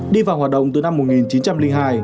đi vào hoạt động từ năm một nghìn chín trăm linh hai